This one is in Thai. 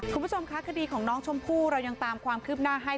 คุณผู้ชมคะคดีของน้องชมพู่เรายังตามความคืบหน้าให้